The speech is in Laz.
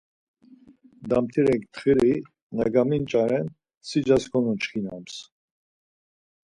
Damtirek txiri na gamiç̌aren sicas konuçkinams.